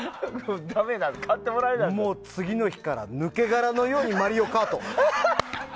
もう次の日から抜け殻のように「マリオカート」。